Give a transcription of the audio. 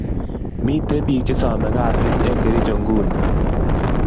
Miten pik che same kasit en kericho nguni